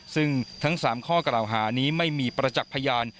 ซึ่งทั้ง๓ข้อกล่าวหานี้ไม่มีประจักษ์พยาน